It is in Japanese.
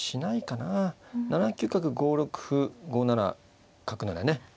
７九角５六歩５七角のようなね。